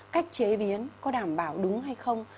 cách chế biến có đảm bảo đúng hay không